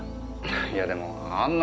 いやでもあんな